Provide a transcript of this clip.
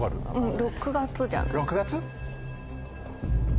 ６月？